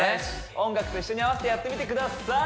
音楽と一緒に合わせてやってみてください